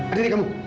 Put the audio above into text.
ada di kamu